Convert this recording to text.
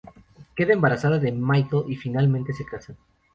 Queda embarazada de Michael y finalmente se casan.